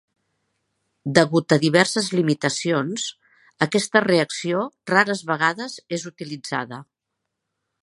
Degut a diverses limitacions aquesta reacció rares vegades és utilitzada.